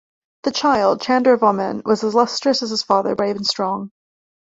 The child, Chandravarman, was as lustrous as his father, brave and strong.